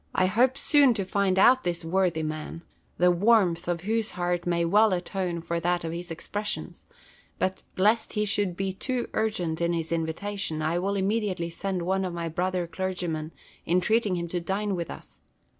Boulter. I hope soon to find out this worthy man, the warmth of whose heart may well atone for that of his expressions ; but, lest he should be too urgent in his invitation, I will immediately send one to my brother clergyman, entreating him to dine with us.